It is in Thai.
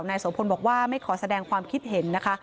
โสพลบอกว่าไม่ขอแสดงความคิดเห็นนะคะ